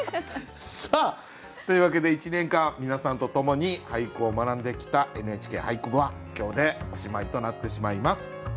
さあというわけで１年間皆さんと共に俳句を学んできた「ＮＨＫ俳句部」は今日でおしまいとなってしまいます。